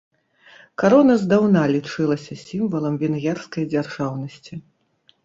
Карона здаўна лічылася сімвалам венгерскай дзяржаўнасці.